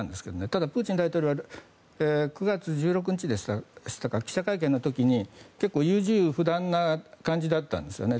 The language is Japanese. ただ、プーチン大統領は９月１６日でしたか記者会見の時に優柔不断な感じでした。